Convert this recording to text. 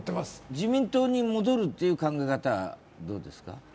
自民党に戻るという考え方はどうですか？